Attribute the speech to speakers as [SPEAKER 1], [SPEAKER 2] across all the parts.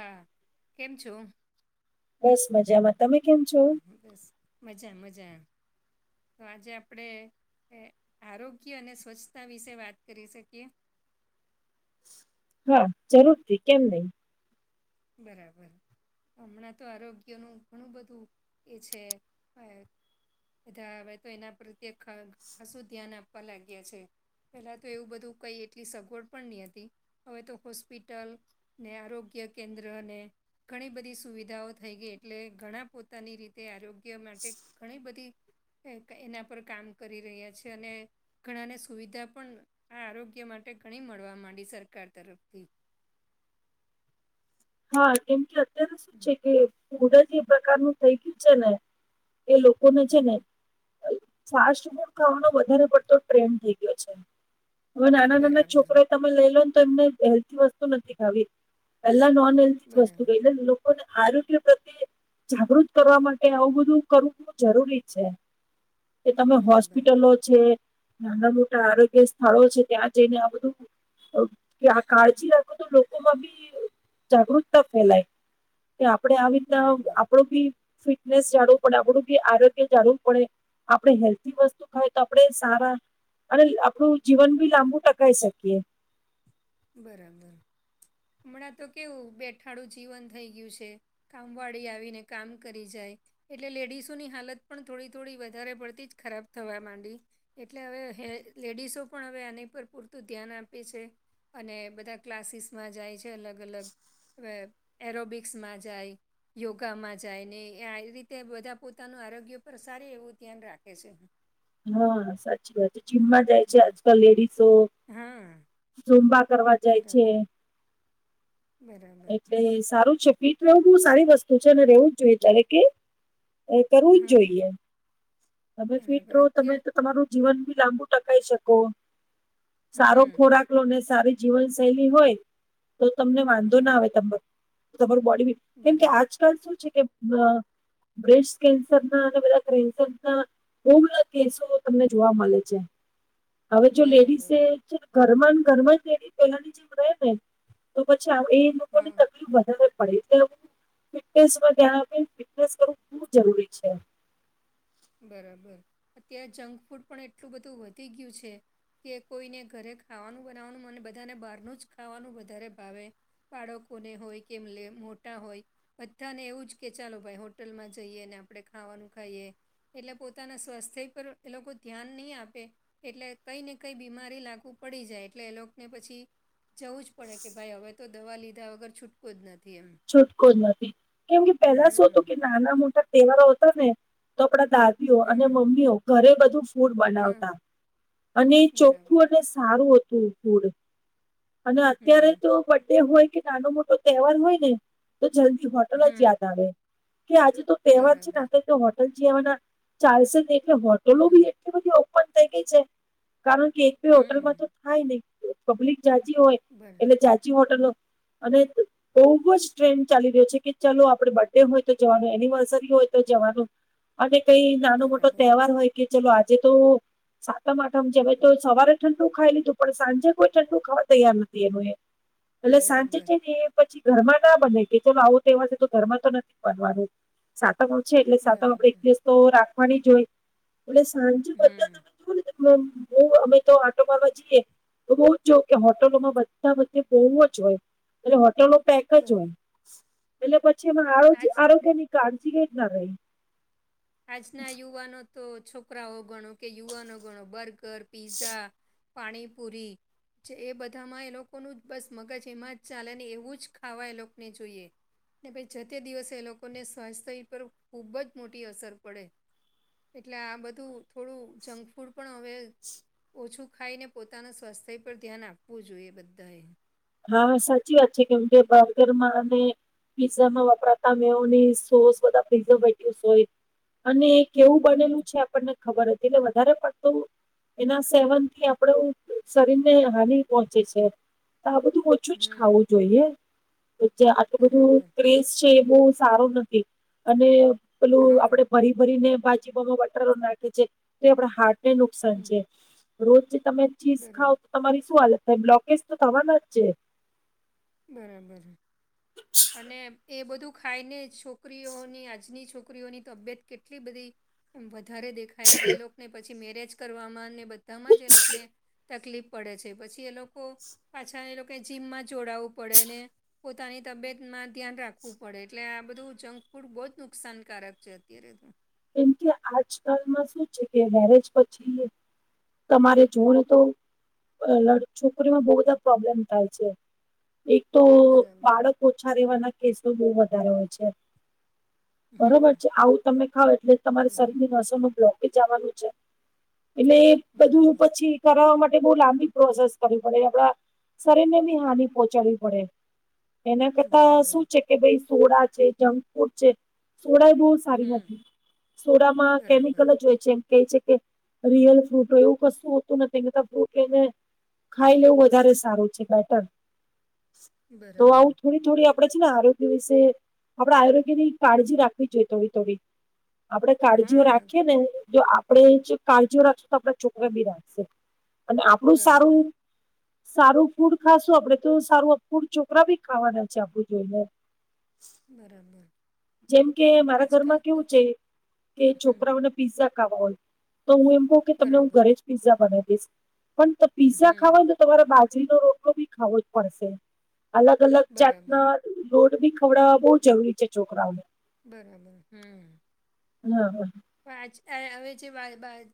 [SPEAKER 1] હા કેમ છો.
[SPEAKER 2] બસ મજામાં તમે કેમ છો.
[SPEAKER 1] બસ મજા મજા. તો આજે આપડે આરોગ્ય અને સ્વચ્છતા વિશે વાત કરી શકીએ.
[SPEAKER 2] હા જરૂરથી કેમ નઈ.
[SPEAKER 1] બરાબર. હમણાં તો આરોગ્યનું ઘણું બધું એ છે. બધા હવે તો એના પ્રત્યે કશું ધ્યાન આપવા લાગ્યા છે. પહેલાં તો એવું બધું કંઈ એટલી સગવડ પણ નહી હતી હવે તો હોસ્પિટલ. ને આરોગ્ય કેન્દ્ર ને. ઘણી બધી સુવિધાઓ થઈ ગઈ એટલે ઘણા પોતાની રીતે આરોગ્ય માટે. ઘણી બધી એના પર કામ કરી રહ્યા છે અને. ઘણાને સુવિધા પણ આ આરોગ્ય માટે ઘણી મળવા માંડી સરકાર તરફથી.
[SPEAKER 2] હા કેમ કે અત્યારે શું છે
[SPEAKER 1] હમ,
[SPEAKER 2] કે ફૂડ જ એ પ્રકારનું થઇ ગયું છે ને એ લો તેને છેને
[SPEAKER 1] હમ.
[SPEAKER 2] ફાસ્ટ ફૂડ ખાવાનો વધારે પડતો ટ્રેન્ડ થઈ ગયો છે. હવે નાના નાના
[SPEAKER 1] બરાબર
[SPEAKER 2] છોકરો તમે લઈ લો ને તો એમને હેલ્દી વસ્તુ નથી ખાવી પહેલા નો વસ્તુ
[SPEAKER 1] બરાબર
[SPEAKER 2] લેય એ લોકોને આરોગ્ય પ્રત્યે. જાગૃત કરવા માટે આવું બધું કરવું જરૂરી છે. કે તમે
[SPEAKER 1] બરાબર
[SPEAKER 2] હોસ્પિટલો છે નાના મોટા આરોગ્ય સ્થળો છે ત્યાં જઈને આ બધું. કે આ કાળજી રાખો તો લોકોમાં બી. જાગૃતતા ફેલાય કે આપડે આવી રીતના
[SPEAKER 1] બરાબર
[SPEAKER 2] આપડો બી શી [inaudible] પડે આપડુ બી આરોગ્ય જાળવું પડે. આપડે હેલ્ધ વસ્તુ ખાય તો આપડે સારા. અને આપડુ જીવન બી લાંબુ ટકાઈ શકીએ.
[SPEAKER 1] બરાબર હમણાં તો કેવું બેઠાડું જીવન થઈ ગયું છે. કામવાળી આવીને કામ કરી જાય. એટલે લેડીસોની હાલત પણ થોડી થોડી વધારે પડતીજ ખરાબ થવા માંડી. એટલે હવે લેડીસો પણ હવે આની પર પૂરતું ધ્યાન આપે છે. અને બધા ક્લાસીસમાં જાય છે અલગ અલગ હવે એરોબિક્સમાં જાય. યોગામાં જાય ને આવી રીતે બધા પોતાનું આરોગ્ય પર સારી એવું ધ્યાન રાખે છે. હ.
[SPEAKER 2] હા સાચી વાત છે જીમમાં જાય છે
[SPEAKER 1] હમ.
[SPEAKER 2] આજકાલ લેડીસો.
[SPEAKER 1] હા.
[SPEAKER 2] ઝૂમ્બા કરવા જાય છે.
[SPEAKER 1] બરાબર બરાબર.
[SPEAKER 2] એટલે સારું છે પીઠ રહેવું બહુ સારી વસ્તુ છે મેં રોજ જાઉં તારે કે એ કરવુંજ
[SPEAKER 1] હા
[SPEAKER 2] જોઈએ. તમે ફિટ
[SPEAKER 1] બરાબર
[SPEAKER 2] રહો
[SPEAKER 1] અત્યારે
[SPEAKER 2] તમે તો તમારું જીવન બી લાંબુ ટકાઈ શકો સારો
[SPEAKER 1] હમ,
[SPEAKER 2] ખોરાક. સારી જીવન શૈલી હોય તો તમને વાંધો ના
[SPEAKER 1] હા,
[SPEAKER 2] આવે તમને તમારું બોડી. કેમ કે
[SPEAKER 1] બરાબર,
[SPEAKER 2] આજકાલ શું છે કે બ્રેસ્ટ કેન્સર ના અને બધાન્સર. બઉ બધા કેસો તમને જોવા મળે છે હવે જો
[SPEAKER 1] બરાબર.
[SPEAKER 2] લેડીસે. જેમ ઘર ઘરમાં પેલાની જેમ રહેે ને તો પછી આપડે લોકોની
[SPEAKER 1] હા,
[SPEAKER 2] તકલીફ વધારે. પણ એટલેું ફિટનેસ ઉપર ધ્યાન આપીને ફિટનેસ કરવું બ જરૂરી છે.
[SPEAKER 1] બરાબર અત્યારે જંક ફૂડ પણ એટલું બધું વધી ગયું છે. કે કોઈને ઘરે ખાવાનું બનાવવાનું મને બધાને બહારનુંજ ખાવાનું વધારે ભાવે બાળકોને હોય કેમ લ મોટા હોય બધાને એવુંજ કે ચાલો ભાઈ હોટલમાં જઈએ ને આપડણે ખાવાનું ખાઈએ એટલે પોતાના સ્વાસ્થ્ય પર એ લોકો ધ્યાન નહી આપે. એટલે કઈ ને કઈ બીમારી લાગવું પડી જાય એટલે એલો ને પછી જવું જ પડે કે ભાઈ હવે તો દવા લીધા વગર છૂટકો જ નથી એમ
[SPEAKER 2] છૂટકો જ નથી કેમ કે પહેલા શું હતું
[SPEAKER 1] હમ.
[SPEAKER 2] કે નાના મોટા તહેવારો હતા ને તો આપડા દાદા અને
[SPEAKER 1] હમ
[SPEAKER 2] મમ્મીઓ ઘરે બધું ફૂડ
[SPEAKER 1] હા
[SPEAKER 2] બનાવતા અને ચોખ્ખું
[SPEAKER 1] બરાબર
[SPEAKER 2] અને સારું હતું ફૂડ અને અત્યારે
[SPEAKER 1] હમ
[SPEAKER 2] તો બે હોય કે નાનો મોટો તહેવાર હોય ને તો જલ્દી હોટલ જ
[SPEAKER 1] હમ
[SPEAKER 2] યાદ આવે કે આજે તો તહેવાર છેને
[SPEAKER 1] બરાબર
[SPEAKER 2] ક તો હો જ ચાલશે ને એટલે હોટલો
[SPEAKER 1] હમ
[SPEAKER 2] બી એટલી બધી ઓપન થઈ ગઈ છે. કારણ કે એક બે હોટલમાં
[SPEAKER 1] હમ
[SPEAKER 2] તો થાય નને પબ્લિક જાજી હોય
[SPEAKER 1] બર.
[SPEAKER 2] એટલે જાાચી હોટલો અને બહુજ ટ્રેન્ડ ચાલી રહ્યો છે કે ચાલો આપડે બર્થ ડે હોય તો જવાનું એનિવર્સરી હોય તો જવાનું અને કઈ નાનો મોટો
[SPEAKER 1] બરાબર
[SPEAKER 2] તહેવાર હોય કે ચલો આજે તો સાતમ આઠમ છે ભવે તો સવારે ઠંડુ ખાઈ લીધું પણ સાંજે કોઈ ઠંડુ ખાવા તૈયાર નથી એનું એ
[SPEAKER 1] [inaudible]
[SPEAKER 2] એટલે સાંજે છે ને એ પછી ઘરમાં ના બને કે ચાલ આવું તોવા છે તો ઘરમાં તો નથી બનવાનું. સાતક ઓ છે એટલે સાતક આપડે એક
[SPEAKER 1] બરાબર
[SPEAKER 2] દિવસ તો રાખવાની હોય એટ સા
[SPEAKER 1] હા.
[SPEAKER 2] ને હું અમે તો આટો મારવા જઈએ તો બઉુ જ જો કે હોટલોમાં બધા બધે બહવુ જ હોય એટ હોટલો પે જ
[SPEAKER 1] બર
[SPEAKER 2] હોય એટલે પછી એમાં
[SPEAKER 1] આજ
[SPEAKER 2] આરોગ્ય ની કાજી કેઈ ના રહે
[SPEAKER 1] આજના યુવાનો તો છોકરાઓ ગણો કે યુવાનો ગણો બર્ગર પીઝા પાણીપૂરી એ બધામાં એ લોકોનું જ બસ મગજ એમાં જ ચાલે ને એવુંજ ખાવા એ લોકોને જોઈએ પી જ તે દિવસે એ લોકોને સ્વાસ્થ્ય પર ખૂબજ મોટી અસર પડે એટલે આ બધું થોડું જંક ફૂડ પણ હવે ઓછું ખાઈને પોતાના સ્વાસ્થ્ય પર ધ્યાન આપવું જોઈએ બધાએ
[SPEAKER 2] હા સાચી વાત છે કે મુ બગરમાંને પિઝામાં વાપરાતા મેની સોસ બધા પઝટ સોય-' અને કેવું બનેલું
[SPEAKER 1] હમ
[SPEAKER 2] છે આપણને ખબર હતી એટલે વધારે પડતું એના સેવન થી આપડે શરીર ને હાનિ પહોંચે છે. તો આ બધું ઓછું જ ખાવું
[SPEAKER 1] હમ
[SPEAKER 2] જોઈએ જે આટલું બધું
[SPEAKER 1] બરાબર
[SPEAKER 2] એ બહ સારું નથી અને પેલું
[SPEAKER 1] હા
[SPEAKER 2] આપડે ભરી ભરીને બાજીબામાં વટારો નાખે છે તે આપડા હાર્ટ ને નુકસાન
[SPEAKER 1] હમ
[SPEAKER 2] છે. રોજ તમે ચીઝ ખાવ
[SPEAKER 1] બરાબર
[SPEAKER 2] તો તમારી શું હાલત થાય બ્લોકેજ તો થવાના જ છે.
[SPEAKER 1] બરાબર અને એ બધું ખાઈ ને છોકરીઓની આજની છોકરીઓની તબિયત કેટલી બધી એમ વધારે દેખાય એટલે એ લોકોને પછી મેરેજ કરવામાં અને બધામાં જ એ લોકોને. તકલીફ પડે છે પછી એ લોકો પાછા એ લોકો જીમમાં જોડાવું પળ ને પોતાની તબિયતમાં ધ્યાન રાખવું પડે એટલે આ બધું જંક ફૂડ બહુજ નુકસાનકારક છે અત્યારે તો
[SPEAKER 2] કેમ કે આજકાલમાં શું છે કે મેરેજ પછી તમારે જુને તો છોકરીમાં બહુ બધા પ્રોબ્લેમ થાય છે. એક તો
[SPEAKER 1] બરાબર
[SPEAKER 2] બાળક ઓછા રહેેવાના કેસો બહુ વધારે હોય છે.
[SPEAKER 1] હમ
[SPEAKER 2] બરોબર છે આવું તમમે ખાવ એટલે તમારી
[SPEAKER 1] બરાબર
[SPEAKER 2] શરીર. સમ બ્લોકેજવાનું છે એટલે બધું
[SPEAKER 1] બરાબર
[SPEAKER 2] પછી. કરાવવા માટે બહુ લાંબી પ્રોસેસ કરવી પડે આપણા. શરીર ને બી હાનિ પહોંચાડવી પડે. એના કરતા
[SPEAKER 1] બરાબર
[SPEAKER 2] શું છે કે ભાઈ સોડા છે જંક ફૂડ છે સોડા એ બહુ સારી
[SPEAKER 1] હમ
[SPEAKER 2] નથી. સોરામાં
[SPEAKER 1] બરાબર
[SPEAKER 2] કેમિકલ જ હોય છે. ક છે કે રિયલ ફ્રૂટો એવું કશું હોતું નથી એતા ફ્રૂટ એને. ખાઈ લેવું વધારે સારું છે બેટર તો
[SPEAKER 1] બરાબર
[SPEAKER 2] આવું થોડી. થોડી આપડે છે ને આરોગ્ય વિશે આપડે આરોગ્ય ની કાળજી રાખવી જોઈએ થોડી થોડી. આપણેે કાળજીઓ
[SPEAKER 1] હા
[SPEAKER 2] રાખીએ ને જો આપણે કાળજીઓ રાખશું તો આપડા છોકરા બી રાખશે. અને આપડું સારું.
[SPEAKER 1] બરાબર
[SPEAKER 2] સારું ફૂડ ખાશું આપડે તો સારું ફૂડ છોકરા બી ખાવાના છે આપડું જોઈને.
[SPEAKER 1] બરાબર.
[SPEAKER 2] જેમ કે મારા
[SPEAKER 1] આજકાલ
[SPEAKER 2] ઘરમાં
[SPEAKER 1] તો
[SPEAKER 2] કેવું છે કે
[SPEAKER 1] હમ
[SPEAKER 2] છોકરાઓને. પીઝા ખાવા હોય તો હું એમ કહું કે તમને હું
[SPEAKER 1] બરાબર
[SPEAKER 2] ઘરે જ પીઝઝા બનાવી દઈશ પણ. પીઝા
[SPEAKER 1] હમ
[SPEAKER 2] ખાવા તો તમારે બાજરીનોો રોટલો બી ખાવો જ પડશે અલગ અલગ
[SPEAKER 1] બરાબર
[SPEAKER 2] જાતના. રોડ બી ખવડાવવા બહુ જરૂરી છે છોકરાઓને.
[SPEAKER 1] બરાબર હમ.
[SPEAKER 2] હા.
[SPEAKER 1] બાજ હવે જે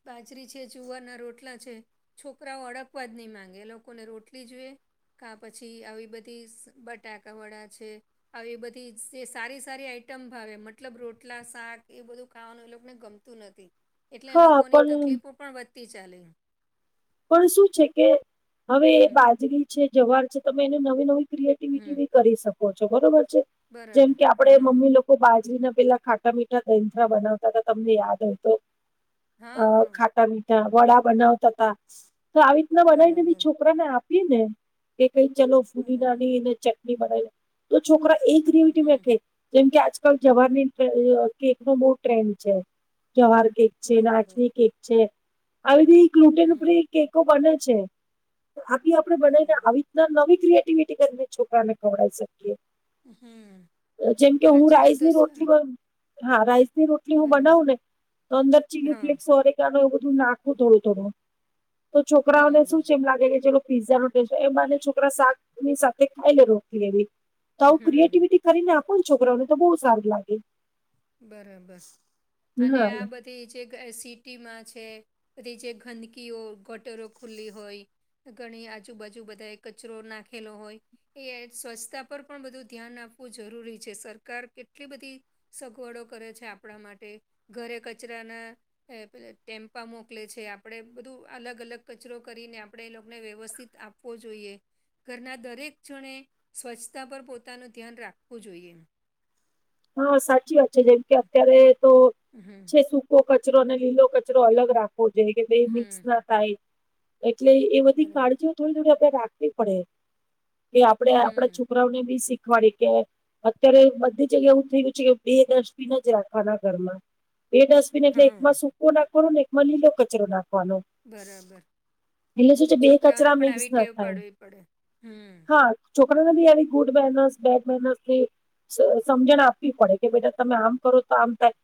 [SPEAKER 1] બાજરી છે જુવારના રોટલા છે. છોકરાઓ અડકવા જ નહી માંગે એ લોકોને રોટલી જોઈએ. કા પછી આવી બધી બટાકા વડા છે. એ બધી જે સારી સારી આઈટમ ભાવ મતલબ રોટલા શાક એ બધું ખાવાનું. ગમતું નથી એટલે
[SPEAKER 2] હા
[SPEAKER 1] લોકોની
[SPEAKER 2] પણ
[SPEAKER 1] તકલીફો પણ વધતી ચાલી.
[SPEAKER 2] પણ શું છે કે હવે એ
[SPEAKER 1] હમ
[SPEAKER 2] બાજરી છે જવાર છે તમે એને નવી નવી ક્રિએટી.
[SPEAKER 1] હમ.
[SPEAKER 2] કરી શકો છો બરોબર છે જેમ
[SPEAKER 1] બરાબર
[SPEAKER 2] કે આપડે
[SPEAKER 1] હા
[SPEAKER 2] મમ્મી લોકો. બાજરી ના પેલા ખાટા મીઠા દેથરા બનાવતા હતા તમને યાદ હોતો.
[SPEAKER 1] હા
[SPEAKER 2] અ
[SPEAKER 1] હા
[SPEAKER 2] ખાટા મીઠા વડા બનાવતા હતા તો આવી રીતના બનાવીને બી
[SPEAKER 1] બરાબર
[SPEAKER 2] છોકરી. છરાને આપી ને કે કઈ ચલો ફૂડી
[SPEAKER 1] બરાબર
[SPEAKER 2] નાનીને ચટણી બનાવી. તો છોકરા એક ગ્રેવિટી મે
[SPEAKER 1] હમ
[SPEAKER 2] અઠે. જેમ કે આજકાલ જવાહરની કેક નો બહુ ટ્રેન્ડ છે જવાર કેક. છે
[SPEAKER 1] બરાબર
[SPEAKER 2] નાચની કેક છે આવી બધી ગ્લુટેન
[SPEAKER 1] હમ
[SPEAKER 2] ઉપરી કેકો બને છે. આી આપડણે બનાવીને
[SPEAKER 1] બરાબર
[SPEAKER 2] આવી રીતના નવી ક્રિએટિવિટી કરીને છોકરાને ખવડી શકીએ.
[SPEAKER 1] હમ
[SPEAKER 2] જેમ કે હું
[SPEAKER 1] આજકાલ તો
[SPEAKER 2] રાઈસની
[SPEAKER 1] સ
[SPEAKER 2] રોટલી બન. હા રાઈસ ની રોટલી હું
[SPEAKER 1] બરાબર
[SPEAKER 2] બનાવું ને તો અંદર ચીલી
[SPEAKER 1] હા
[SPEAKER 2] ફ્લેક્સ ઓરે. એ બધું નાખવું થોડું થોડું તો છોકરાઓને
[SPEAKER 1] બરાબર
[SPEAKER 2] શું છે એમ લાગે કે જે. પીઝા રોટેને છોકરા શા ની સાથે ખાઈ લેો ક્યરી તો આવું
[SPEAKER 1] હમ
[SPEAKER 2] ક્રિએટિવિટી. કરીને આપણ છોકરાઓને તો બહુ સારગ લાગે.
[SPEAKER 1] બરાબર અને
[SPEAKER 2] હા
[SPEAKER 1] આ બધા. જે સિટીમાં છે બધી જે ગંદકીઓ ગટરો ખુલ્લી હોય. ઘણી આજુબાજુ બધા કચરો નાખેલો હોય. એ સ્વચ્છતા પર પણ બધું ધ્યાન આપવું જરૂરી છે સરકાર કેટલી બધી. સગવડો કરે છે આપણા માટે ઘરે કચરાના. એ પે ટેમ્પા મોકલે છે આપણેે બધું અલગ અલગ કચરો કરીને આપણે એ લોકોને વ્યવસ્થિત આપ. આપવો જોઈએ ઘરના દરેક જણે સ્વચ્છતા પર પોતાનું ધ્યાન રાખવું જોઈએ.
[SPEAKER 2] હા સાચી વાત છે જેમ કે અત્યારે તો.
[SPEAKER 1] હમ.
[SPEAKER 2] છે સૂકો કચરો અને લીલો કચરો અલગ રાખવો જોઈએ કે બે મિક્સ
[SPEAKER 1] હમ.
[SPEAKER 2] ના થાય. એટલે એ બધી
[SPEAKER 1] બરાબર.
[SPEAKER 2] કાળજીઓ થોડી થોડી આપણેે રાખવી પડે. કે આપડે આપડા
[SPEAKER 1] હમ
[SPEAKER 2] છોકરાઓને બી શીખવાડી કે અત્યારે બધી. જગ્યા એવું થયું છે કે બે ડસ્ટબિન જ રાખવાના ઘરમાં બે ડસ્ટબિન એટલે એકમાં
[SPEAKER 1] હમ.
[SPEAKER 2] સૂકો ના. એકમાં લીલો કચરો નાખવાનો.
[SPEAKER 1] બરાબર
[SPEAKER 2] શું
[SPEAKER 1] એટલે
[SPEAKER 2] છે બે
[SPEAKER 1] છોકરાઓને
[SPEAKER 2] કચરા
[SPEAKER 1] પણ
[SPEAKER 2] મિક્સ
[SPEAKER 1] આવી ટેવ પાડવી પડે હમ.
[SPEAKER 2] છોકરાના બ એવી ગુડ બનસ બેડ બનસ. સમજણ આપવી પડે કે બેા તમે આમ કરો તો આમ થાય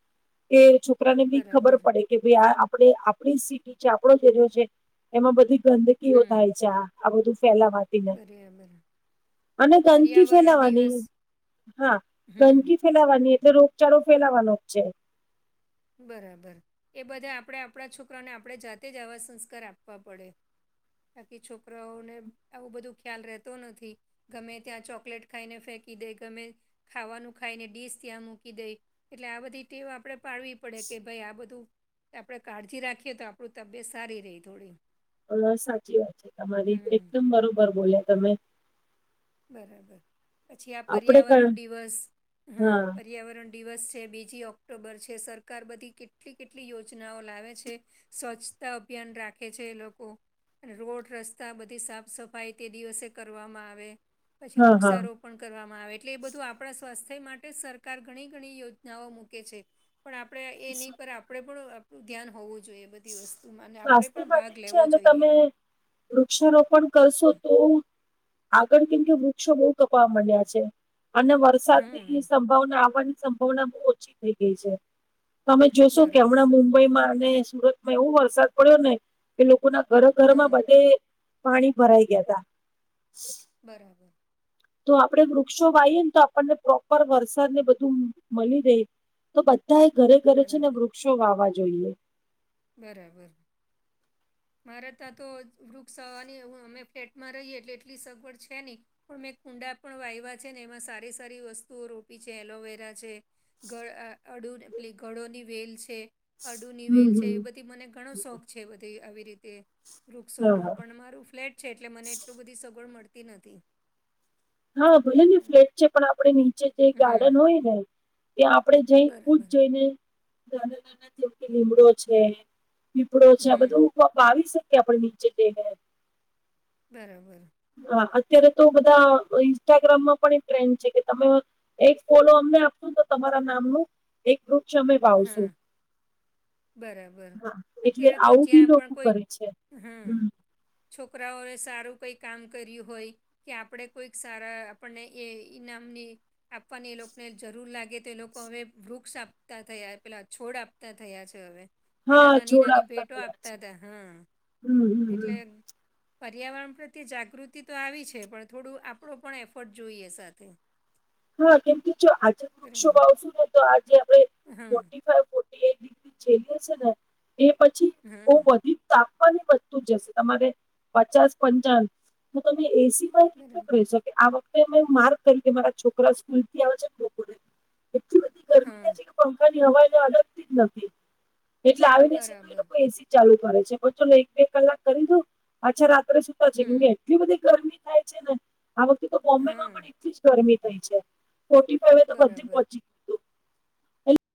[SPEAKER 2] એ છોકરાને બી ખબર
[SPEAKER 1] બરાબર.
[SPEAKER 2] પડે. કે ભાઈ આ આપ આપડી સિટી છે આપડ એરિયો છે એમાં બધી ગંદકીઓ
[SPEAKER 1] હમ.
[SPEAKER 2] થાય છે આ. આ બધું ફેલાવાત.
[SPEAKER 1] બરાબર
[SPEAKER 2] અને ગંદકી
[SPEAKER 1] પર્યાવરણ
[SPEAKER 2] ફેલાવાની
[SPEAKER 1] દિવસ
[SPEAKER 2] હા.
[SPEAKER 1] હમ.
[SPEAKER 2] ગંદકી ફેલાવાની એટલે રોગચાળો ફેલાવાનો જ છે.
[SPEAKER 1] બરાબર એ બધે આપણે આપણા છોકરાને આપણે જાતે જ આવા સંસ્કાર આપવા પડે. બાકી છોકરાઓને આવું બધું ખ્યાલ રહેતો નથી. ગમે ત્યાં ચોકલેટ ખાઈને ફેંકી દે ગમે. ખાવાનું ખાયને ડીશ ત્યાં મૂકી દઈ એટલે આ બધી ટેવ આપડે પાડવી. પડે કે ભ આ બધું આપણે કાળજી રાખીએ તો આપણું તબિયત સારી રહી થોડી.
[SPEAKER 2] સાચી વાત છે તમારી
[SPEAKER 1] હમ
[SPEAKER 2] એકદમ બરોબર બોલ્યા તમે.
[SPEAKER 1] બરાબર પછી આ
[SPEAKER 2] આપડે ક
[SPEAKER 1] પર્યાવરણ દિવસ હા પ. પર્યાવરણ દિવસ છે બીજી ઓક્ટોબર છે સરકાર બધી કેટલી કેટલી યોજનાઓ લાવે છે. સ્વચ્છતા અભિયાન રાખે છે એ લોકો. અને રોડ રસ્તા બધી સાફ સફાઈ તે દિવસે કરવામાં આવે પછી
[SPEAKER 2] હા હા
[SPEAKER 1] વૃક્ષારોપ. પણ કરવામાં આવે એટલે એ બધું આપણા સ્વાસ્થ્ય માટે સરકાર ઘણી ઘણી યોજનાઓ મૂકે છે. પણ આપણેે એ નહીં
[SPEAKER 2] સ્વ-
[SPEAKER 1] પર આપડે પણ આપું ધ્યાન હોવું જોઈએ. બધી વસ્તુમાં અને આપડે
[SPEAKER 2] સ્વાસ્થ્ય
[SPEAKER 1] પણ
[SPEAKER 2] માટે જ
[SPEAKER 1] ભાગ
[SPEAKER 2] છે
[SPEAKER 1] લેવો
[SPEAKER 2] અને
[SPEAKER 1] જોઈએ.
[SPEAKER 2] તમે વૃક્ષારોપણ કરશો તો. આગળ કેમ કે વૃક્ષો બહુ તકવા મળ્યા છે. અને વરસાદની
[SPEAKER 1] હમ
[SPEAKER 2] સંભાવના આવવાની સંભાવના બહુ ઓછી થઈ ગઈ છે. તમે જોશો કે
[SPEAKER 1] બરાબર
[SPEAKER 2] હમણાં મુંબઈમાં અને સુરતમાં એવો વરસાદ પડ્યો ને. કે લોકો ના ઘર
[SPEAKER 1] હા
[SPEAKER 2] ઘરમાં બધે પાણી ભરાઈ ગયા તા.
[SPEAKER 1] બરાબર.
[SPEAKER 2] તો આપડણે વૃક્ષો વાઈએ ને તો આપણને પ્રોપર વરસાદને બધું મળી રહે તો. બધા એ ઘરે ઘરે છે ને
[SPEAKER 1] બરાબર
[SPEAKER 2] વૃક્ષો વાવા જોઈએ.
[SPEAKER 1] બરાબર. મારે ત્યાં તો વૃક્ષ આવવાની હું અમે ફ્લેટમાં રહીએ એટલે એટલી સગવડ છે નહીં. પણ મેં કુંડા પણ વાય્યા છે ને એમાં સારી સારી વસ્તુઓ રોપી છે એલોવેરા છે. અડુ એટલે ગળોની વેલ છે અડુની
[SPEAKER 2] હમ
[SPEAKER 1] વેલ છે. છે એ
[SPEAKER 2] હમ.
[SPEAKER 1] બધી મને ઘણો શોખ છે બધી આવી રીતે વૃક્ષો નો
[SPEAKER 2] હા
[SPEAKER 1] પણ મારું ફ્લેટ. છે એટલે મને એટલું બધી સગવડ મળતી નથી.
[SPEAKER 2] હા ભલે ને ફ્લેટ છે પણ આપે નીચે જે
[SPEAKER 1] હમ
[SPEAKER 2] ગાર્ડન હોય ને. એ આપડણે જઈ જ
[SPEAKER 1] બરાબર
[SPEAKER 2] જઈને. નાના નાના જે કે લીમડો છે પીપડો છે આ બધું.
[SPEAKER 1] હમ
[SPEAKER 2] બાવીસ ટકે આપણે નીચે દ.
[SPEAKER 1] બરાબર.
[SPEAKER 2] હા અત્યારે તો બધા ઇન્સ્ટાગ્રામમાં પણ એક ટ્રેન્ડ છે કે તમે. એક ફલો અમને આપશું તો તમારા નામનું એક વૃક્ષ અમે
[SPEAKER 1] હા
[SPEAKER 2] પાવશું.
[SPEAKER 1] બરાબર
[SPEAKER 2] એટલે
[SPEAKER 1] અત્યારે તો
[SPEAKER 2] આવું બી
[SPEAKER 1] જ્યાં પણ
[SPEAKER 2] લોકો
[SPEAKER 1] કોઈ
[SPEAKER 2] કરે છે.
[SPEAKER 1] હમ. છોકરાઓએ સારું કઈ કામ કર્યું હોય. કે આપણે કોઈક સારા આપણને એ ઈનામની. આપવાની એ લોકોને જરૂર લાગે તો એ લોકો હવે વૃક્ષ આપતા થયા પેલા છોડ આપતા થયા છે. હવે પેલા
[SPEAKER 2] હા
[SPEAKER 1] નાની
[SPEAKER 2] છોડ
[SPEAKER 1] નાની ભેટો
[SPEAKER 2] થયા
[SPEAKER 1] આપતા
[SPEAKER 2] છે
[SPEAKER 1] હતા હા
[SPEAKER 2] હમ હમ હમ
[SPEAKER 1] એટલે. પર્યાવરણ પ્રત્યે જાગૃતિ તો આવી છે પણ થોડું આપણો પણ એફર્ટ જોઈએ સાથે. [inaudible]
[SPEAKER 2] હા કેમ કે જો આજે વૃક્ષો
[SPEAKER 1] બરાબર
[SPEAKER 2] આવશુ ને તો આજે આપણે
[SPEAKER 1] હા
[SPEAKER 2] ફો ફ. એ દીક્રી ચલી હશે ને એ પછી બ
[SPEAKER 1] હા
[SPEAKER 2] વધી. તવાની વસ્તુજ જશે તમારે પચાસ પંચા તો તમે એસી.
[SPEAKER 1] બરાબર
[SPEAKER 2] કેટલું ક કે આ વખતે માર્ કરી કે મારા છોકરા સ્કૂલથી આવે છે ને. એટલી બધી ગરમી થાય
[SPEAKER 1] હા.
[SPEAKER 2] છે કે પંખાની હવાઈ ને અલગતી જ નથી એટલે આવીને તો
[SPEAKER 1] બરાબર
[SPEAKER 2] લોકો એ. ચાલુ કરે છે પ ચોલો એક બે કલાક કરી દઉ પાછા રાત્રે સુતા જ.
[SPEAKER 1] હમ
[SPEAKER 2] એટલી બધી ગરમી થાય છે ને આ વખતે તો બોમ્બે
[SPEAKER 1] હા
[SPEAKER 2] માં પણ એટલી જ ગરમી થઈ છે ફ. હવે તો વધધી
[SPEAKER 1] બરાબર
[SPEAKER 2] પહંચી.